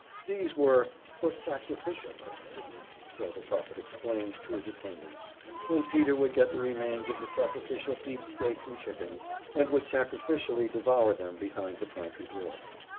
These were "for sacrificial purposes," so the prophet explained to his attendants; and Peter would get the remains of the sacrificial beef steaks and chickens, and would sacrificially devour them behind the pantry door.